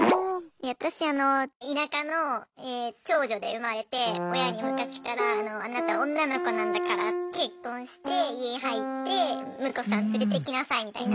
私あの田舎の長女で生まれて親に昔から「あなた女の子なんだから結婚して家入って婿さん連れてきなさい」みたいな。